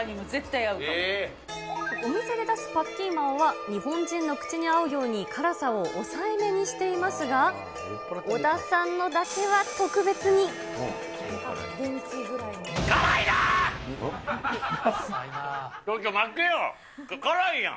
お店で出すパッキーマオは、日本人の口に合うように辛さを抑えめにしていますが、小田さんの辛いな！